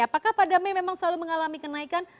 apakah pada mei memang selalu mengalami kenaikan